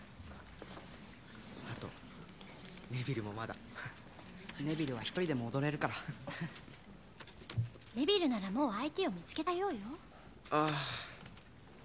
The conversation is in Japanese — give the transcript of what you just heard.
あとネビルもまだネビルは１人でも踊れるからネビルならもう相手を見つけたようよああ